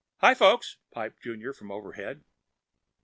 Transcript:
"Hi, folks!" piped Junior from overhead.